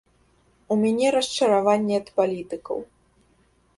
У мяне расчараванне ад палітыкаў.